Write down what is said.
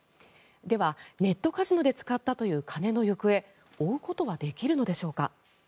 では、ネットカジノで使ったという金の行方を追うことはできるのでしょうか。